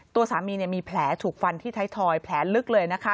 ตัวสามีมีแผลถูกฟันที่ไทยทอยแผลลึกเลยนะคะ